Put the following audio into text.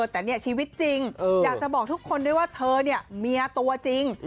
แต่เนี่ยชีวิตจริงอยากจะบอกทุกคนด้วยว่าเธอเนี่ยเมียตัวจริง